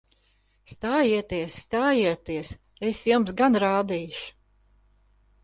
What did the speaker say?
Stājieties! Stājieties! Es jums gan rādīšu!